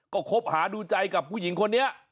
ก็คบหาดูใจกับผู้หญิงคนนี้